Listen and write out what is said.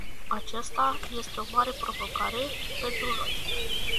Aceasta este o mare provocare pentru noi.